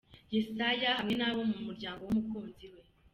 Yesaya hamwe n'abo mu muryango w'umukunzi we.